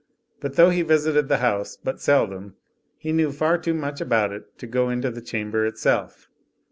But, though he visited the House but seldom, he knew far too much about it to go into the Qiamber itself.